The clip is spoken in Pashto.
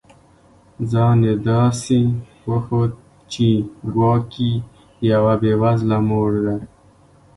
ځان یې داسي وښود چي ګواکي یوه بې وزله مور ده